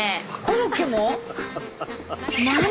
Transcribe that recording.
コロッケも？